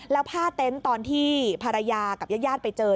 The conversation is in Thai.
แล้วผ้าเต็นต์ตอนที่ภรรยากับญาติไปเจอ